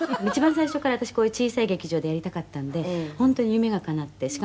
「一番最初から私こういう小さい劇場でやりたかったんで本当に夢がかなって」